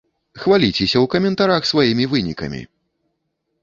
Хваліцеся ў каментарах сваімі вынікамі!